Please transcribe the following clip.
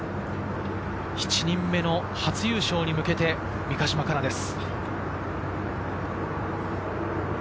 ７人目の初優勝に向けて、三ヶ島かなです。